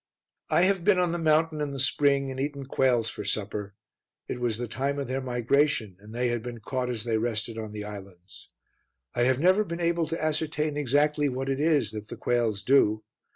I have been on the mountain in the spring and eaten quails for supper. It was the time of their migration, and they had been caught as they rested on the islands. I have never been able to ascertain exactly what it is that the quails do.